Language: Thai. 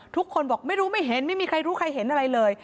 ทุกคนบอกไม่รู้ไม่เห็นไม่มีใครรู้ใครเห็นอะไรเลย